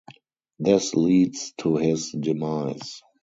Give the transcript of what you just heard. This leads to his demise.